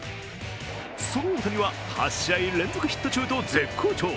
その大谷は８試合連続ヒット中と絶好調。